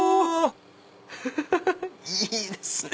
いいですね！